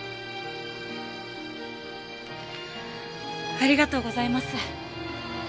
ありがとうございます。